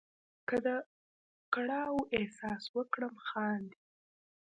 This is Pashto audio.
که د کړاو احساس وکړم خاندې.